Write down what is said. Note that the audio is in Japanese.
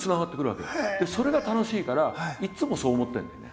それが楽しいからいっつもそう思ってるんだよね。